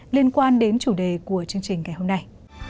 liên quan đến chủ đề của chương trình ngày hôm nay